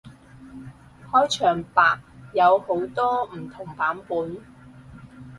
開場白有好多唔同版本